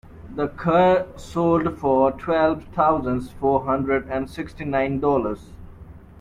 The car sold for twelve thousand four hundred and sixty nine dollars.